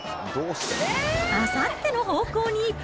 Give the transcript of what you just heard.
あさっての方向に。